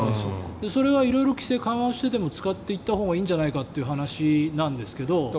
それが色々規制緩和してでも使っていったほうがいいんじゃないかという話ですが。